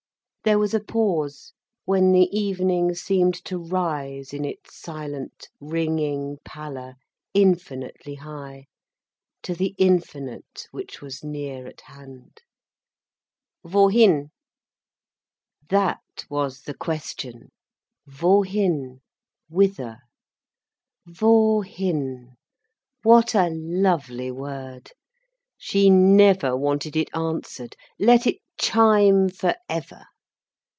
There was a pause, when the evening seemed to rise in its silent, ringing pallor infinitely high, to the infinite which was near at hand. "Wohin?" That was the question—wohin? Whither? Wohin? What a lovely word! She never wanted it answered. Let it chime for ever.